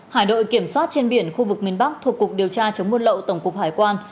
hải đội kiểm soát trên biển khu vực miền bắc thuộc cục điều tra chống buôn lậu tổng cục hải quan